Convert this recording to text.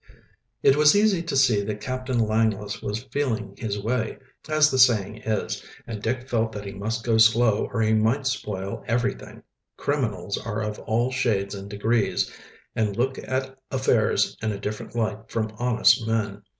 It was easy to see that Captain Langless was "feeling his way," as the saying is, and Dick felt that he must go slow or he might spoil everything. Criminals are of all shades and degrees, and look at affairs in a different light from honest men.